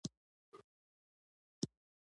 باد د واورې تویېدو لامل ګرځي